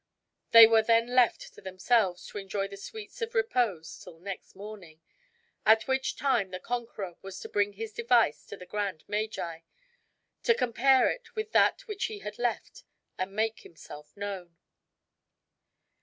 They were then left to themselves to enjoy the sweets of repose till next morning, at which time the conqueror was to bring his device to the grand magi, to compare it with that which he had left, and make himself known.